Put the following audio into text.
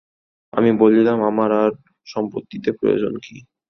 আমি বলিলাম–আমার আর সম্পত্তিতে প্রয়োজন কী?